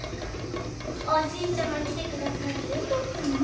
おじいちゃま来て下さってよかったわね。